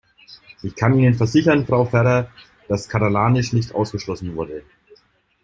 Ich kann Ihnen versichern, Frau Ferrer, dass Katalanisch nicht ausgeschlossen wurde.